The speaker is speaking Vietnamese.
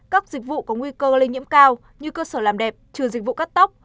các dịch vụ có nguy cơ lây nhiễm cao như cơ sở làm đẹp trừ dịch vụ cắt tóc